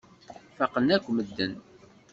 Faqen akk medden.